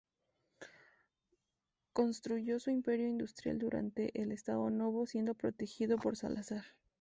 Construyó su imperio industrial durante el Estado Novo, siendo protegido por Salazar.